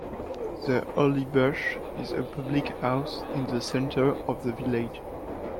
"The Holly Bush" is a public house in the centre of the village.